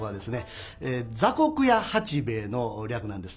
雑穀屋八兵衛の略なんです。